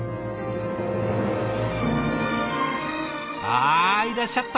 あいらっしゃった！